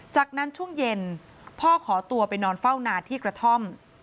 จากนั้นช่วงเย็นพ่อขอตัวไปนอนเฝ้านาที่กระท่อม